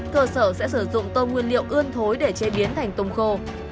cơ sở sẽ sử dụng tôm nguyên liệu ươn thối để chế biến thành tôm khô